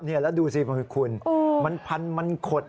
นี่แล้วดูสิคุณมันพันมันขด